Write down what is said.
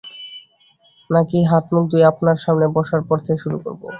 নাকি হাত-মুখ ধুয়ে আপনার সামনে বসার পর থেকে শুরু হবে?